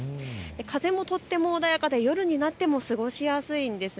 風もとても穏やかで夜になっても過ごしやすいんです。